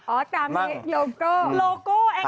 โอ้โฮตามเด็กโลโก้